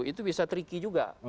itu bisa tricky juga